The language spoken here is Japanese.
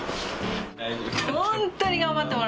本当に頑張ってもら